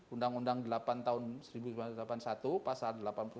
undang undang delapan tahun seribu sembilan ratus delapan puluh satu pasal delapan puluh sembilan